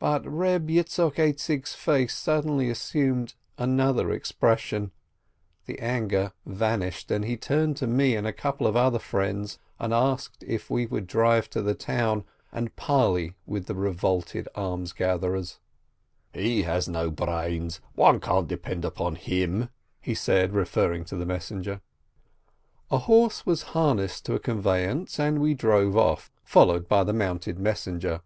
Eeb Yitzchok Aizik's face suddenly assumed another expression, the anger vanished, and he turned to me and a couple of other friends, and asked if we would drive to the town, and parley with the revolted almsgatherers. "He has no brains, one can't depend on him," he said, referring to the messenger. A horse was harnessed to a conveyance, and we drove off, followed by the mounted messenger.